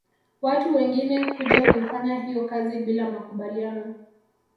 Watu wengine kuja kuifanya hiyo kazi bila makubaliano